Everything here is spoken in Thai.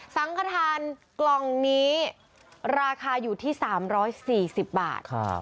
สังขทานกล่องนี้ราคาอยู่ที่๓๔๐บาท